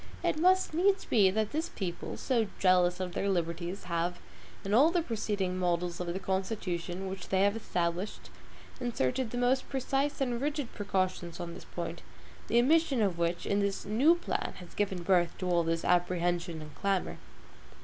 It must needs be that this people, so jealous of their liberties, have, in all the preceding models of the constitutions which they have established, inserted the most precise and rigid precautions on this point, the omission of which, in the new plan, has given birth to all this apprehension and clamor.